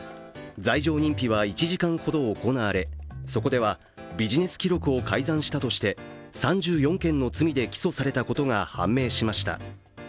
罪状認否は１時間ほど行われそこではビジネス記録を改ざんしたとして３４件の罪で起訴されたことが判明しました。